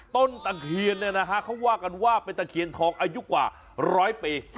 ตะเคียนเขาว่ากันว่าเป็นตะเคียนทองอายุกว่าร้อยปี